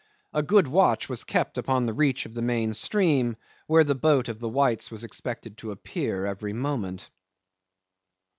A good watch was kept upon the reach of the main stream where the boat of the whites was expected to appear every moment.